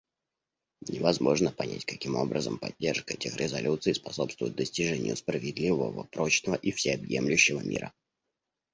Невозможно понять, каким образом поддержка этих резолюций способствует достижению справедливого, прочного и всеобъемлющего мира.